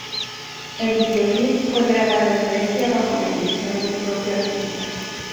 El "videoclip" fue grabado en Grecia bajo la dirección del propio artista.